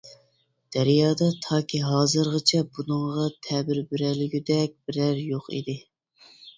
دەريادا تاكى ھازىرغىچە بۇنىڭغا تەبىر بېرەلىگۈدەك بىرەرى يوق ئىدى.